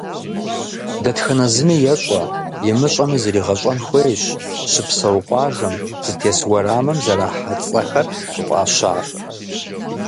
Дэтхэнэ зыми ещӏэ, имыщӏэми зригъэщӏэн хуейщ щыпсэу къуажэм, зытес уэрамым зэрахьэ цӏэхэр щӏыфӏащар.